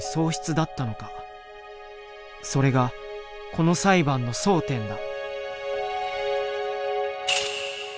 それがこの裁判の争点だ。